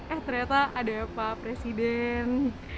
eh ternyata ada pak presiden